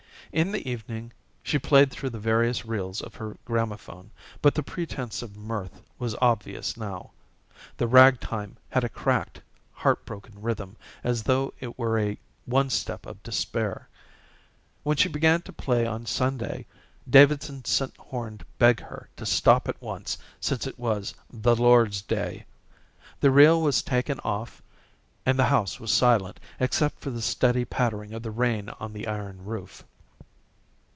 In the evening she played through the various reels of her gramophone, but the pretence of mirth was obvious now. The ragtime had a cracked, heart broken rhythm as though it were a one step of despair. When she began to play on Sunday Davidson sent Horn to beg her to stop at once since it was the Lord's day. The reel was taken off and the house was silent except for the steady pattering of the rain on the iron roof.